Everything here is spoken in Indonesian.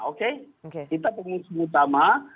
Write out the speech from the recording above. oke kita pengusung utama